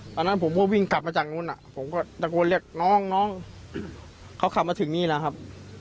ตอนนั้นผมก็วิ่งกลับมาจากนู้นผมก็ตะโกนเรียกน้องน้องเขาขับมาถึงนี่แหละครับ